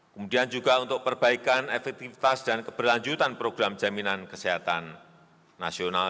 kemudian juga untuk perbaikan efektivitas dan keberlanjutan program jaminan kesehatan nasional